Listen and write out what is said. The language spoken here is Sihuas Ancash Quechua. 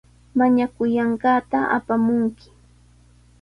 Mañakullanqaata apamunki.